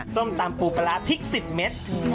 ส้มตำปูปลาร้าพริก๑๐เมตร